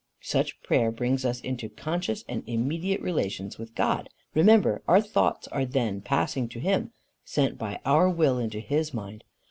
Such prayer brings us into conscious and immediate relations with God. Remember, our thoughts are then, passing to him, sent by our will into his mind.